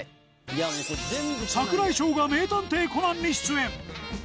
櫻井翔が名探偵コナンに出演。